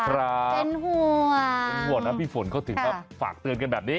ครับเป็นห่วงเป็นห่วงนะพี่ฝนเขาถึงมาฝากเตือนกันแบบนี้